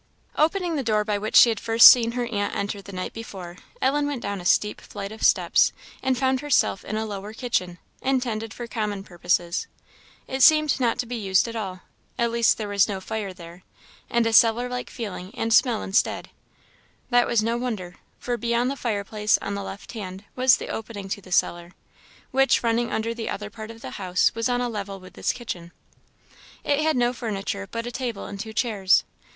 Opening the door by which she had first seen her aunt enter the night before, Ellen went down a steep flight of steps, and found herself in a lower kitchen, intended for common purposes. It seemed not to be used at all at least there was no fire there, and a cellar like feeling and smell instead. That was no wonder, for beyond the fireplace on the left hand was the opening to the cellar, which, running under the other part of the house, was on a level with this kitchen. It had no furniture but a table and two chairs.